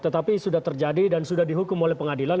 tetapi sudah terjadi dan sudah dihukum oleh pengadilan